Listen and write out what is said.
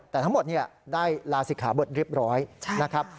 แต่ทั้งหมดได้ลาศิกขาบทเรียบร้อยนะครับ